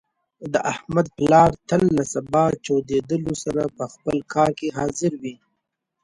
د احمد پلار تل له صبح چودېدلو سره په خپل کار کې حاضر وي.